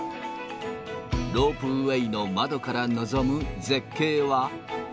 ロープウェーの窓から望む絶景は。